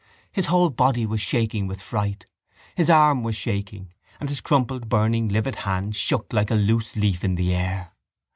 His whole body was shaking with fright, his arm was shaking and his crumpled burning livid hand shook like a loose leaf in the air.